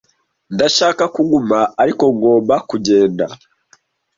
Ndashaka kuguma ariko ngomba kugenda.